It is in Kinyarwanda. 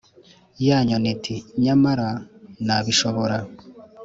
ya nyoni iti ‘nyamara nabishobora.’